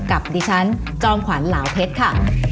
กับดิฉันจอมขวัญเหลาเพชรค่ะ